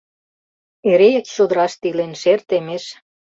Эре чодыраште илен, шер темеш.